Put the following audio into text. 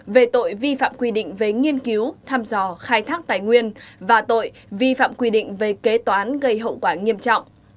về tội vi phạm quy định về nghiên cứu tham dò khai thác tài nguyên và tội vi phạm quy định về kế toán gây hậu quả nghiêm trọng